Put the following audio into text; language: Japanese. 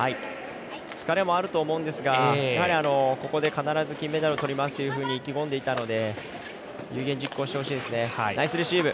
疲れもあると思うんですがここで必ず金メダルをとりますというふうに意気込んでいたので有言実行してほしいですね。